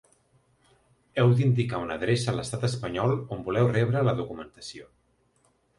Heu d’indicar una adreça a l’estat espanyol on voleu rebre la documentació.